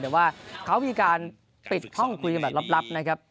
แต่ว่าเขามีการปิดห้องคุยกันแบบลับนะครับ